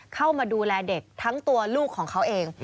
เข้ามาดูแลเด็กทั้งตัวลูกของเขาเอง